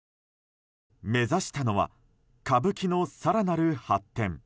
目指したのは歌舞伎の更なる発展。